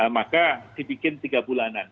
maka dibikin tiga bulanan